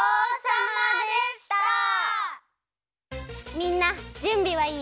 みんなじゅんびはいい？